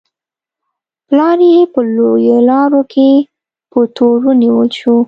پلار یې په لویو لارو کې په تور ونیول شو.